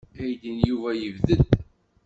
Aydi n Yuba yebded.